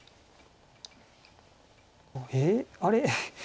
えっ？あれ？